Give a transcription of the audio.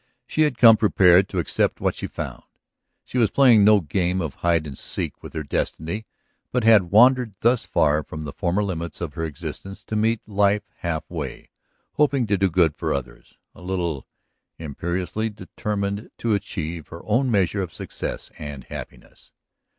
She had come prepared to accept what she found, she was playing no game of hide and seek with her destiny, but had wandered thus far from the former limits of her existence to meet life half way, hoping to do good for others, a little imperiously determined to achieve her own measure of success and happiness.